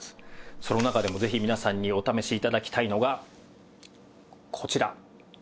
その中でもぜひ皆さんにお試し頂きたいのがこちら。